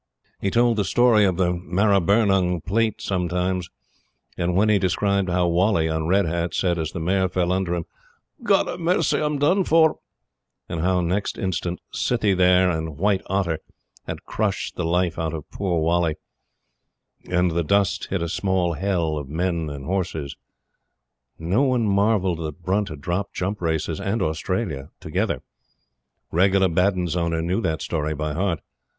He told the story of the Maribyrnong Plate sometimes; and when he described how Whalley on Red Hat, said, as the mare fell under him: "God ha' mercy, I'm done for!" and how, next instant, Sithee There and White Otter had crushed the life out of poor Whalley, and the dust hid a small hell of men and horses, no one marvelled that Brunt had dropped jump races and Australia together. Regula Baddun's owner knew that story by heart.